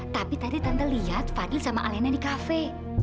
tapi tadi tante lihat fani sama alena di kafe